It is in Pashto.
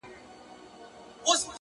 په خپله غېږه كي خونونه كړي.!